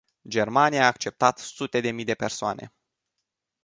Germania a acceptat sute de mii de persoane.